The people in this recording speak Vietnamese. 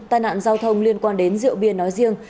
tai nạn giao thông liên quan đến rượu bia nói riêng